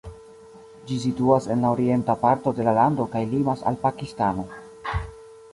Ĝi situas en la orienta parto de la lando kaj limas al Pakistano.